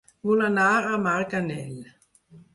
Vull anar a Marganell